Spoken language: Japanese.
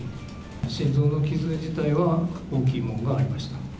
心臓の傷自体は大きいものがありました。